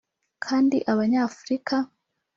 kandi abanyafrika